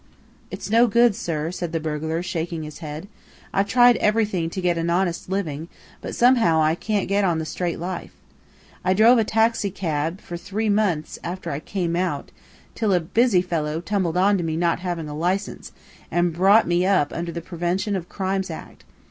"It's no good, sir," said the burglar, shaking his head. "I've tried everything to get an honest living, but somehow I can't get on in the straight life. I drove a taxicab for three months after I came out, till a busy fellow[A] tumbled to me not having a license, and brought me up under the Prevention of Crimes Act.